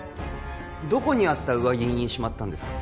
どこにあった上着にしまったんですか？